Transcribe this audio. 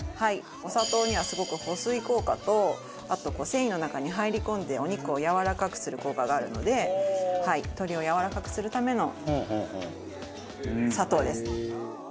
お砂糖にはすごく保水効果とあと繊維の中に入り込んでお肉をやわらかくする効果があるので鶏をやわらかくするための砂糖です。